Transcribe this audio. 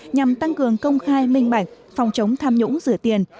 nhằm tăng cường công khai minh mạch phòng chống tham nhũng giữa tiền